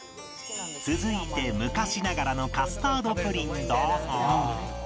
続いて昔ながらのカスタードプリンだが